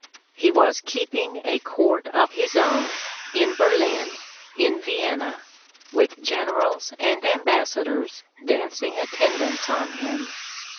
He was keeping a court of his own, in Berlin, in Vienna, with generals and ambassadors dancing attendance on him